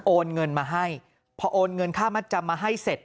โอนเงินมาให้พอโอนเงินค่ามัดจำมาให้เสร็จ